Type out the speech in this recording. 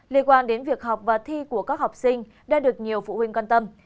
liên quan đến việc học và thi của các học sinh đã được nhiều phụ huynh quan tâm